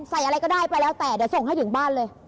อะไรก็ได้ไปแล้วแต่เดี๋ยวส่งให้ถึงบ้านเลย